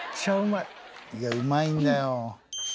いやうまいんだよ。